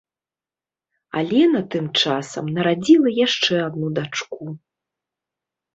Алена тым часам нарадзіла яшчэ адну дачку.